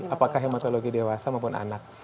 apakah hematologi dewasa maupun anak